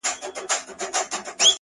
د زړه جيب كي يې ساتم انځورونه ـگلابونه ـ